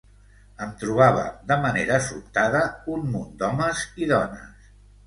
Em trobava de manera sobtada un munt d’homes i dones.